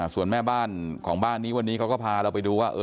ส่วนแม่บ้านก็พาเราไปดูว่า